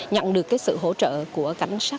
nhận được sự hỗ trợ của cảnh sát